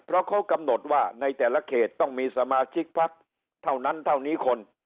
เพราะเขากำหนดว่าในแต่ละเขตต้องมีสมาชิกพักเท่านั้นเท่านี้คน